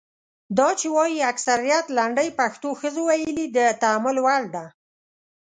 دا چې وايي اکثریت لنډۍ پښتنو ښځو ویلي د تامل وړ ده.